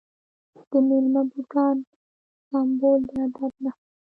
د میلمه بوټان سمول د ادب نښه ده.